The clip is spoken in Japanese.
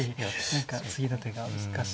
何か次の手が難しい。